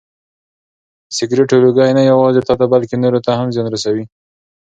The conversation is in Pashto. د سګرټو لوګی نه یوازې تاته بلکې نورو ته هم زیان رسوي.